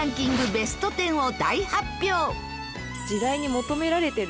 ベスト１０を大発表！